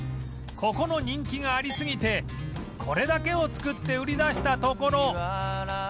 ここの人気がありすぎてこれだけを作って売り出したところ